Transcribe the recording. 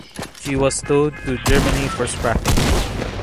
She was towed to Germany for scrapping.